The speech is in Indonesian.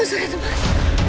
aduh serem banget